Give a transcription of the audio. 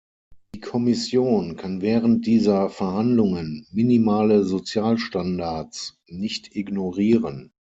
Die Kommission kann während dieser Verhandlungen minimale Sozialstandards nicht ignorieren.